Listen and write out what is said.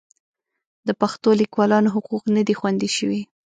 د پښتو لیکوالانو حقوق نه دي خوندي شوي.